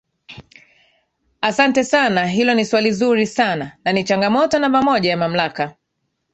asante sana hilo ni swali zuri sana na ni changamoto namba moja ya mamlaka